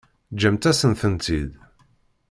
Ǧǧemt-asent-tent-id.